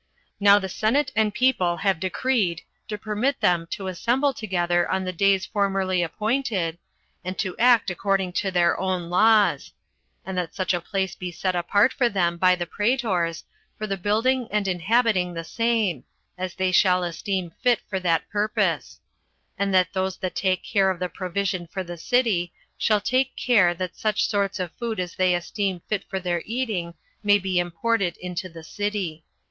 Now the senate and people have decreed to permit them to assemble together on the days formerly appointed, and to act according to their own laws; and that such a place be set apart for them by the praetors, for the building and inhabiting the same, as they shall esteem fit for that purpose; and that those that take care of the provision for the city, shall take care that such sorts of food as they esteem fit for their eating may be imported into the city."